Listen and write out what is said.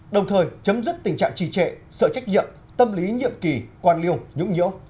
đồng thời chấm dứt tình trạng trì trệ sợ trách nhiệm tâm lý nhiệm kỳ quan liêu nhũng nhiễu